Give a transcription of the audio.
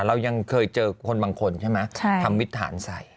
เรายังเคยเจอคนบางคนใช่ไหมทำมิตรฐานใส่